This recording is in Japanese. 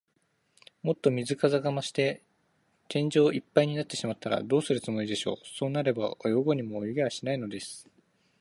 もっと水かさが増して、天井いっぱいになってしまったら、どうするつもりでしょう。そうなれば、泳ごうにも泳げはしないのです。